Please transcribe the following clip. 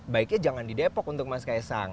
baiknya jangan di depok untuk mas kaisang